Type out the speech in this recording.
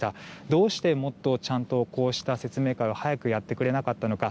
どうして、もっとちゃんとこうした説明会を早くやってくれなかったのか。